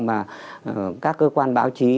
mà các cơ quan báo chí